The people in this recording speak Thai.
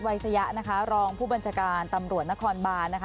วัยสยะรองผู้บัญชการตำรวจนครบาล